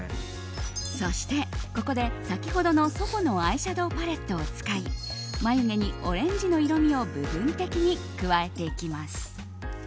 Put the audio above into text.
そして、ここで先ほどのｓｏｐｏのアイシャドーパレットを使い眉毛にオレンジの色味を部分的に加えていきます。